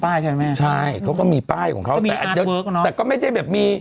เปึ๊ยะปวงทำป้ายใช่ไหม